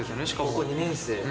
高校２年生。